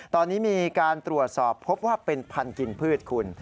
ตอนนี้มีการตรวจสอบพบว่าเป็นพันธุ์กินพืชคุณ